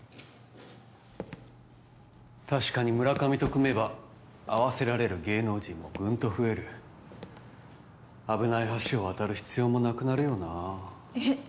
確かにムラカミと組めば会わせられる芸能人もぐんと増える危ない橋を渡る必要もなくなるよなあえっ